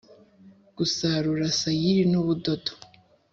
Gusarura sayiri n ubudodo